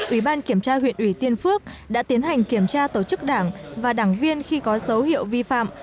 ủy ban kiểm tra huyện ủy tiên phước đã tiến hành kiểm tra tổ chức đảng và đảng viên khi có dấu hiệu vi phạm